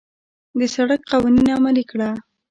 د سړک قوانين عملي کړه.